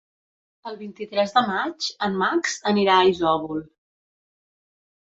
El vint-i-tres de maig en Max anirà a Isòvol.